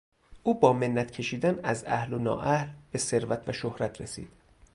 او با منت کشیدن از اهل و نااهل به ثروت و شهرت رسید.